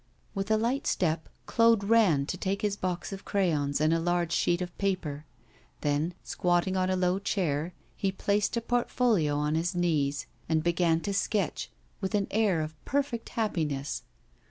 With a light step, Claude ran to take his box of crayons, and a large sheet of paper. Then, squatting on a low chair, he placed a portfolio on his knees and began to sketch with an air of perfect happiness.